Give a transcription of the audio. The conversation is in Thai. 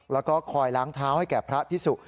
แล้วก็คอยล้างเท้าให้แก่พระพิสุ